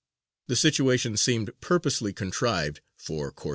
The situation seemed purposely contrived for Corsairs.